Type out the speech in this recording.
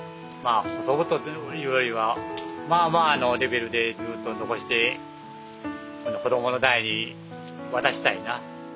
あ細々というよりはまあまあのレベルでずっと残して子供の代に渡したいな。